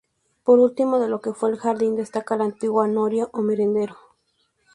Por último, de lo que fue el jardín, destaca la antigua noria o merendero.